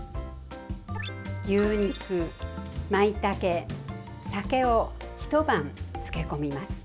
牛肉、まいたけ酒をひと晩、漬け込みます。